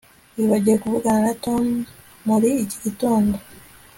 wibagiwe kuvugana na tom muri iki gitondo